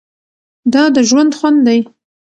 دا د ژوند خوند دی.